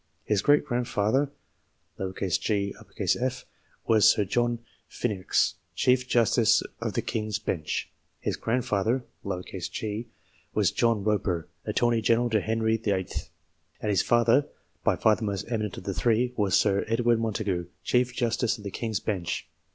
His great grandfather (#F.) was Sir John Fin nieux, Chief Justice of the King's Bench ; his grandfather (g.) was John Eoper, Attorney General to Henry VIII. ; and his father by far the most eminent of the three was Sir Edward Montagu, Chief Justice of the King's Bench.